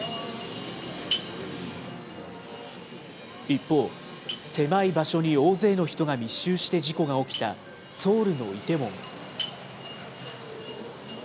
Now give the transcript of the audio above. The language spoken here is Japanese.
一方、狭い場所に大勢の人が密集して事故が起きたソウルのイテウォン。